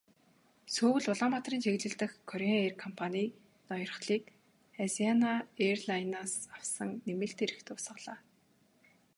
Сөүл-Улаанбаатарын чиглэл дэх Кореан эйр компанийн ноёрхлыг Азиана эйрлайнсын авсан нэмэлт эрх дуусгалаа.